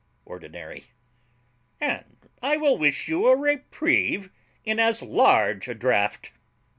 ORDINARY. And I will wish you a reprieve in as large a draught.